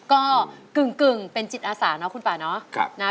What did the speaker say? ก็กึ่งเป็นจิตอาสาเนาะคุณป่าเนาะ